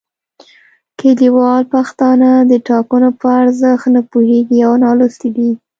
کلیوال پښتانه د ټاکنو په ارزښت نه پوهیږي او نالوستي دي